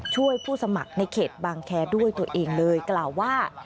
ผู้สมัครในเขตบางแคร์ด้วยตัวเองเลยกล่าวว่า